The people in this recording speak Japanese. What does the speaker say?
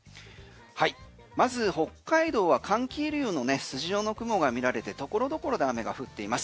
まず北海道は寒気エリア筋状の雲が見られて所々で雨が降っています。